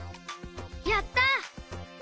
やった！